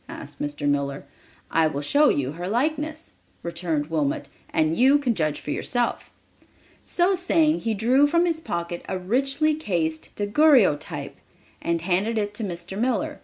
asked Mr. Miller. "I will show you her likeness," returned Wilmot, "and you can judge for yourself." So saying, he drew from his pocket a richly cased daguerreotype, and handed it to Mr. Miller.